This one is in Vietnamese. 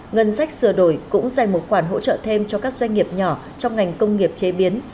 ngân sách sửa đổi cũng dành một khoản hỗ trợ thêm cho các doanh nghiệp nhỏ trong ngành công nghiệp chế biến